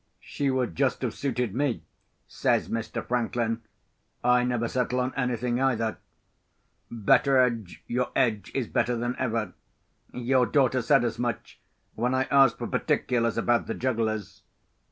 "She would just have suited me," says Mr. Franklin. "I never settle on anything either. Betteredge, your edge is better than ever. Your daughter said as much, when I asked for particulars about the jugglers.